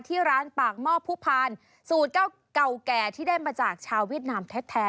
ที่ร้านปากหม้อผู้พานสูตรเก่าแก่ที่ได้มาจากชาวเวียดนามแท้